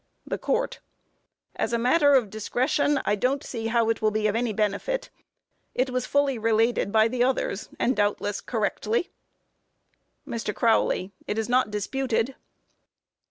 THE COURT: As a matter of discretion, I don't see how it will be of any benefit. It was fully related by the others, and doubtless correctly. MR. CROWLEY: It is not disputed.